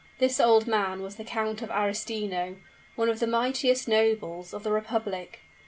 This old man was the Count of Arestino, one of the mightiest nobles of the republic.